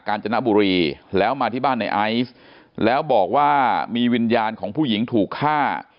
จนบุรีแล้วมาที่บ้านในไอซ์แล้วบอกว่ามีวิญญาณของผู้หญิงถูกฆ่า